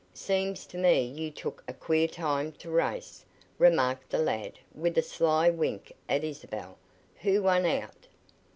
"Seems to me you took a queer time to race," remarked the lad with a sly wink at Isabel. "Who won out?"